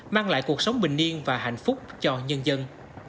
mang lại cuộc sống bình niên và hạnh phúc cho nhân dân